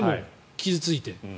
傷付いて。